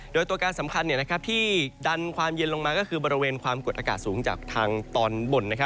โดยตัวการสำคัญที่ดันความเย็นลงมาก็คือบริเวณความกดอากาศสูงจากทางตอนบน